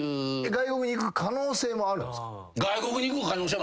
外国に行く可能性もあります。